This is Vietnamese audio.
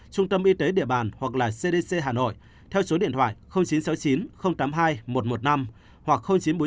trung tâm y tế địa bàn hoặc là cdc hà nội theo số điện thoại chín trăm sáu mươi chín tám mươi hai một trăm một mươi năm hoặc chín trăm bốn mươi chín ba trăm chín mươi sáu một trăm một mươi năm